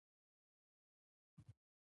د پیاز غوړي د ویښتو لپاره وکاروئ